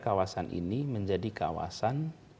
kawasan ini menjadi kawasan